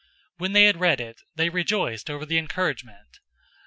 015:031 When they had read it, they rejoiced over the encouragement.